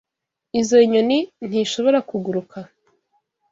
Izoi nyoni ntishobora kuguruka.